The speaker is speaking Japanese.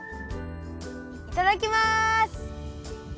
いただきます！